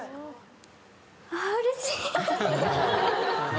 あうれしい。